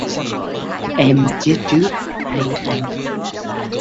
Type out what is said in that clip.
Em chết trước hay anh.